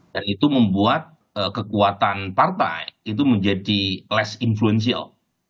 dan itu membuat kekuatan partai itu menjadi less influential